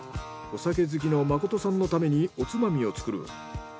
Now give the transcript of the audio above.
お酒好きの誠さんのためにおつまみを作る。